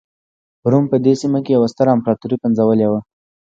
روم په دې سیمه کې یوه ستره امپراتوري پنځولې وه.